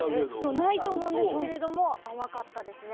ないと思うんですけれどもあまかったですね。